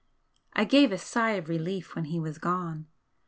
I gave a sigh of relief when he was gone.